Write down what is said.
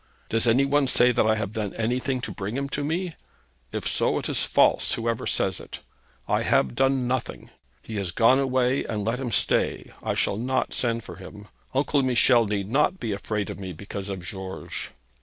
'Does any one say that I have done anything to bring him to me? If so, it is false, whoever says it. I have done nothing. He has gone away, and let him stay. I shall not send for him. Uncle Michel need not be afraid of me, because of George.'